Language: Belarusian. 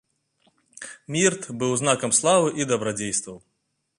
Мірт быў знакам славы і дабрадзействаў.